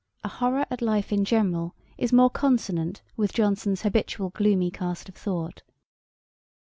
A horrour at life in general is more consonant with Johnson's habitual gloomy cast of thought.